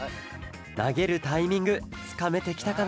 なげるタイミングつかめてきたかな？